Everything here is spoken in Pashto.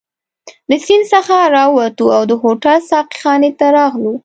له سیند څخه راووتو او د هوټل ساقي خانې ته راغلو.